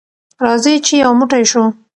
راځئ چې یو موټی شو.